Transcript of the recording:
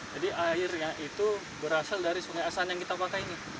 jadi airnya itu berasal dari sungai asahan yang kita pakai ini